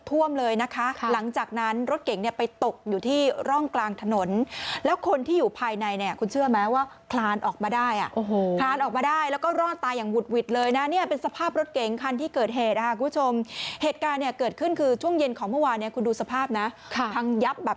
ท่วมเลยนะคะหลังจากนั้นรถเข็งเนี่ยไปตกอยู่ที่ร่องกลาง